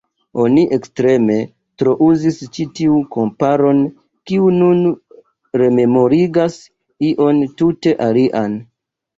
Oni ekstreme trouzis ĉi tiun komparon, kiu nun rememorigas ion tute alian.